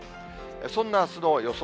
そんなあすの予想